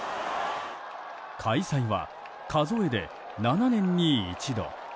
開催は数えで７年に一度。